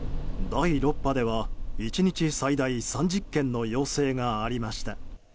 第６波では１日最大３０件の要請がありました。